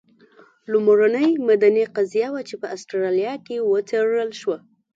لومړنۍ مدني قضیه وه چې په اسټرالیا کې وڅېړل شوه.